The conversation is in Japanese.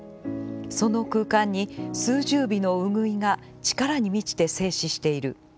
その空間に、数十尾のウグイが力にみちて静止している。